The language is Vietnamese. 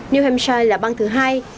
new hampshire là bang thứ hai